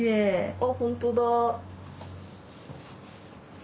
あっ本当だ。